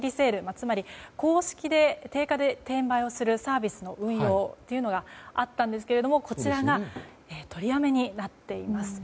つまり、公式で定価で転売をするサービスの運用があったんですけど取りやめになっています。